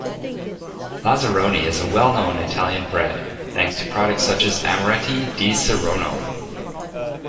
Lazzaroni is a well-known Italian brand thanks to products such as Amaretti di Saronno.